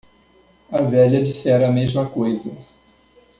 A velha dissera a mesma coisa.